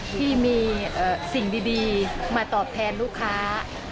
ที่มีสิ่งดีมาตอบแทนลูกค้า